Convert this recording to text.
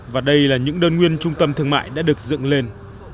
và đây là những đơn nguyên trung tâm thương mại đã được dựng lên